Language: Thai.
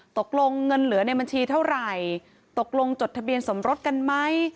ตกลงเงินเหลือในบัญชีเท่าไหร่ตกลงจดทะเบียนสมรสกันไหม